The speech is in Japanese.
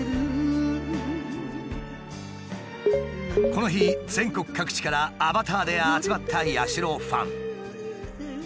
この日全国各地からアバターで集まった八代ファン。